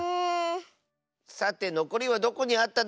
さてのこりはどこにあったでしょうか。